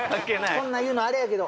こんなん言うのあれやけど